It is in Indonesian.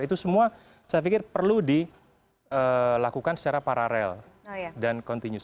itu semua saya pikir perlu dilakukan secara paralel dan kontinus